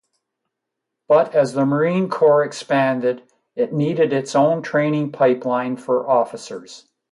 But as the Marine Corps expanded, it needed its own training pipeline for officers.